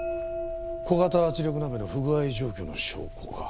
小型圧力鍋の不具合状況の証拠か。